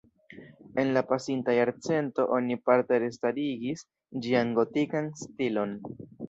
En la pasinta jarcento oni parte restarigis ĝian gotikan stilon.